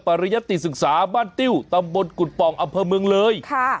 ริยติศึกษาบ้านติ้วตำบลกุฎป่องอำเภอเมืองเลย